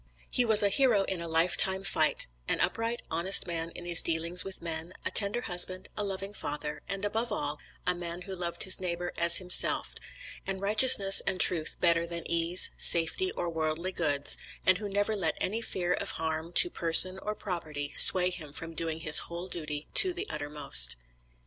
He was a hero in a life time fight, an upright, honest man in his dealings with men, a tender husband, a loving father, and above all, a man who loved his neighbor as himself, and righteousness and truth better than ease, safety, or worldly goods, and who never let any fear of harm to person or property sway him from doing his whole duty to the uttermost.